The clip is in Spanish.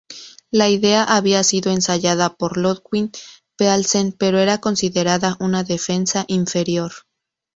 La idea había sido ensayada por Ludwig Paulsen, pero era considerada una defensa inferior.